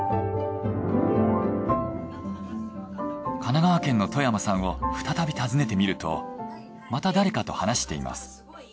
神奈川県の外山さんを再び訪ねてみるとまた誰かと話しています。